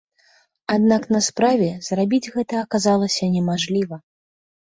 Аднак на справе зрабіць гэта аказалася немажліва.